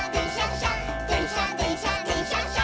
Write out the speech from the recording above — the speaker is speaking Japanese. しゃでんしゃでんしゃでんしゃっしゃ」